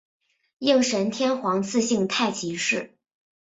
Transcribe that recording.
应神天皇赐姓太秦氏。